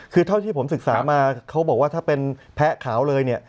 คือเท่าที่ผมศึกษามาเขาบอกว่าถ้าเป็นแพ้ขาวเลยเนี่ย